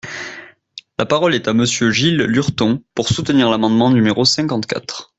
La parole est à Monsieur Gilles Lurton, pour soutenir l’amendement numéro cinquante-quatre.